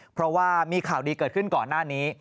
เพราะว่ามีข่าวดีเกิดขึ้นก่อนหน้านี้